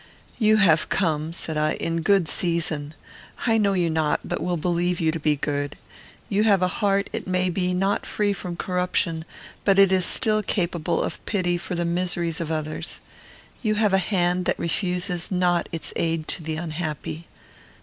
"You have come," said I, "in good season. I know you not, but will believe you to be good. You have a heart, it may be, not free from corruption, but it is still capable of pity for the miseries of others. You have a hand that refuses not its aid to the unhappy.